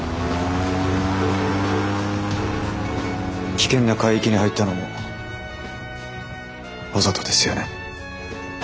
危険な海域に入ったのもわざとですよね？